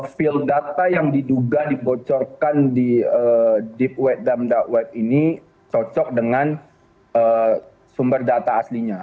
field data yang diduga dibocorkan di deepweb web ini cocok dengan sumber data aslinya